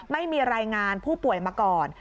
ไม่มีรายงานผู้ป่วยมาก่อน